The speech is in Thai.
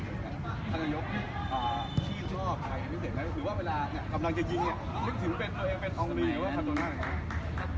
อย่างงั้นสิคุณท่าน